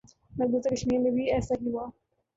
مقبوضہ کشمیر میں بھی ایسا ہی ہوا۔